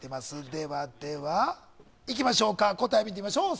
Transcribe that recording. ではでは、いきましょうか答え見てみましょう。